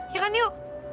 ya kan yu